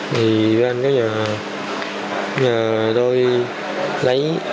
thì gặp nhau ở nhà